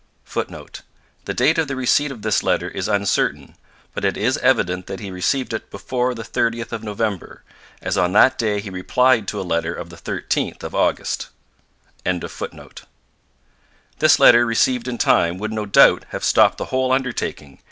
[Footnote: The date of the receipt of this letter is uncertain; but it is evident that he received it before the 30th of November, as on that day he replied to a letter of the 13th of August.] This letter received in time would no doubt have stopped the whole undertaking.